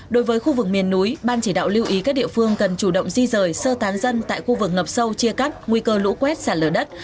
đối với khu vực miền núi ban chỉ đạo lưu ý các địa phương cần chủ động di rời sơ tán dân tại khu vực ngập sâu chia cắt nguy cơ lũ quét sạt lở đất